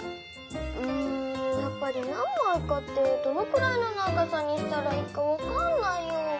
うんやっぱり「何まいか」ってどのくらいの長さにしたらいいかわかんないよ！